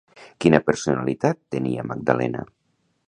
Quina personalitat tenia Magdalena?